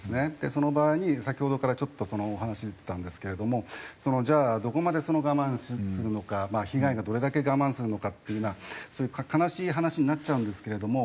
その場合に先ほどからちょっとお話出てたんですけれどもじゃあどこまで我慢するのか被害がどれだけ我慢するのかっていうのは悲しい話になっちゃうんですけれども。